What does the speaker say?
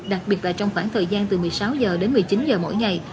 đặc biệt là trong khoảng thời gian từ một mươi sáu h đến một mươi chín h mỗi ngày